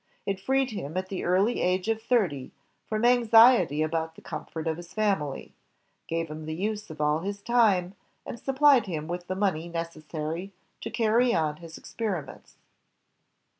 It freed him, at the early age of thirty, from anxiety about the comfort of his family, gave him the use of all of his time, and supplied him with the money necessary to carry on his experiments.